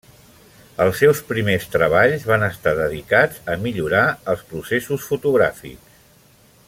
Els seus primers treballs van estar dedicats a millorar els processos fotogràfics.